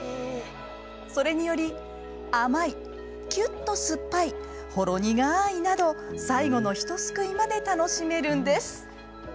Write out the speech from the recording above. それにより甘いきゅっと酸っぱいほろ苦いなど最後のひとすくいまで楽しめるんです。